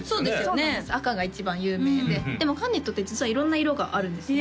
そうなんです赤が一番有名ででもガーネットって実は色んな色があるんですよね